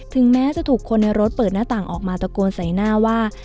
แม้จะถูกคนในรถเปิดหน้าต่างออกมาตะโกนใส่หน้าว่า